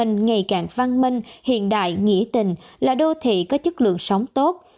ngày càng văn minh hiện đại nghĩ tình là đô thị có chất lượng sống tốt